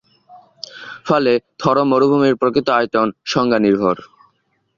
ফলে থর মরুভূমির প্রকৃত আয়তন সংজ্ঞানির্ভর।